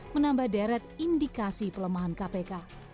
menambah deret indikasi pelemahan kpk